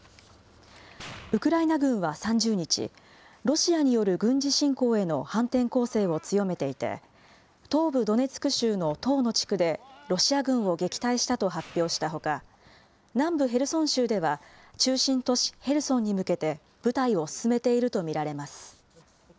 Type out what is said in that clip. ウクライナ軍は３０日、ロシアによる軍事侵攻への反転攻勢を強めていて、東部ドネツク州の１０の地区で、ロシア軍を撃退したと発表したほか、南部ヘルソン州では、中心都市ヘルソンに向けて、部隊を進めていると見られます。